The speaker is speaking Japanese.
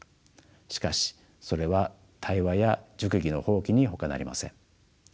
しかしそれは対話や熟議の放棄にほかなりません。